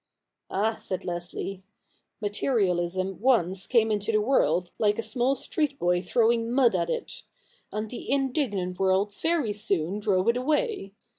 ' Ah !' said Leslie, ' materialism once came into the world like a small street boy throwing mud at it ; and the indignant world very soon drove it away.